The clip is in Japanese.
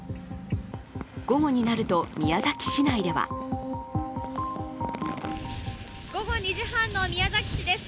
午後になると、宮崎市内では午後２時半の宮崎市です。